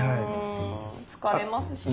疲れますしね。